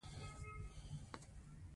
اوه خدايه بټن څه سو.